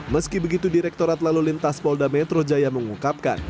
meski begitu direktorat lalu lintas polda metro jaya mengungkapkan